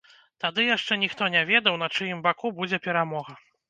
Тады яшчэ ніхто не ведаў, на чыім баку будзе перамога.